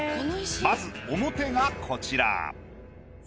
まず表がこちら。